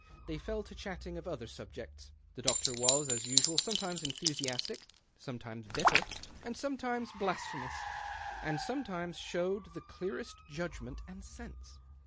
They fell to chatting of other subjects. The doctor was, as usual, sometimes enthu siastic, sometimes bitter, and sometimes blasphemous, and sometimes showed the clearest judgment and sense.